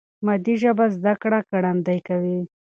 مادي ژبه زده کړه ګړندۍ کوي.